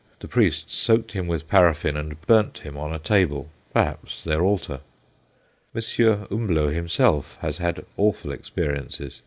The priests soaked him with paraffin, and burnt him on a table perhaps their altar. M. Humblot himself has had awful experiences.